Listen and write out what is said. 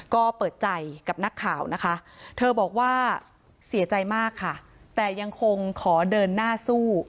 ก็เปิดใจกับนักข่าวนะคะเธอบอกว่าเสียใจมากค่ะแต่ยังคงขอเดินหน้าสู้